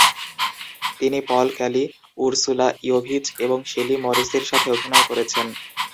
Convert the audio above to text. তিনি Paul Kelly, Ursula Yovich এবং Shelley মরিসের সাথে অভিনয় করেছেন।